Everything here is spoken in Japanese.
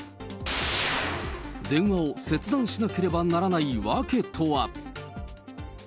電話を切断しなければならない訳とは。